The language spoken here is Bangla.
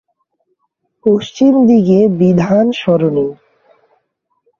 পশ্চিম দিকে বিধান সরণি।